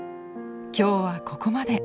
今日はここまで。